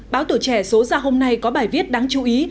báo tuổi trẻ số ra hôm nay có bài viết đáng chú ý